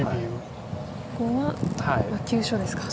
ここは急所ですか。